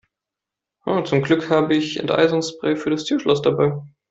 Zum Glück habe ich Enteisungsspray für das Türschloss dabei.